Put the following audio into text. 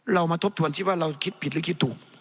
มาทบทวนสิว่าเราคิดผิดหรือคิดถูก